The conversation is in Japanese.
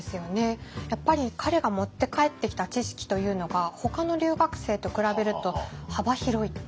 やっぱり彼が持って帰ってきた知識というのがほかの留学生と比べると幅広い。